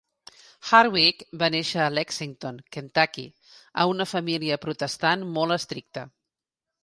Hardwick va néixer a Lexington, Kentucky, a una família protestant molt estricta.